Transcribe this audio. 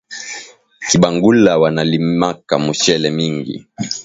Kibangula wana limaka muchele mingi